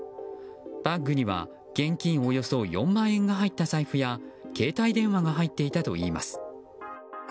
バッグには現金およそ４万円が入った財布や携帯電話が入っていたといいます。